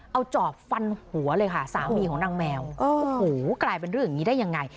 เอาจอบฟันหัวเลยค่ะสามีของนางแมวโอ้โหกลายเป็นเรื่องอย่างนี้ได้ยังไง